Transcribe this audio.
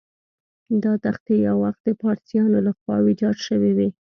دا تختې یو وخت د پارسیانو له خوا ویجاړ شوې وې.